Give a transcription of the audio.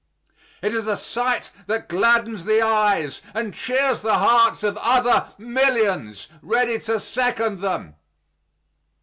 It is a sight that gladdens the eyes and cheers the hearts of other millions ready to second them.